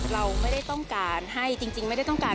เราไม่ได้ต้องการให้จริงไม่ได้ต้องการ